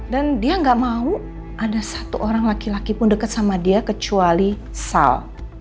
dan dia gak mau ada satu orang laki laki pun deket sama dia kecuali sal